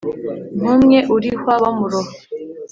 nk' umwe urihwa bamuroha